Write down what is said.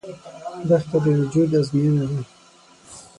دښته د وجود ازموینه ده.